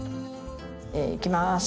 いきます。